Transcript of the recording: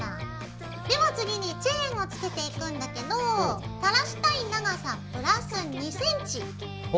では次にチェーンをつけていくんだけど垂らしたい長さプラス２ｃｍで切ります。